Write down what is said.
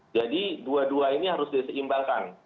jadi dua dua ini harus diseimbangkan